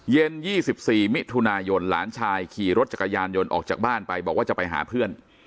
๒๔มิถุนายนหลานชายขี่รถจักรยานยนต์ออกจากบ้านไปบอกว่าจะไปหาเพื่อน